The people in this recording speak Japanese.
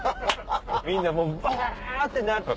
みんなブワってなって。